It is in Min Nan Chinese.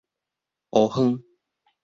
烏昏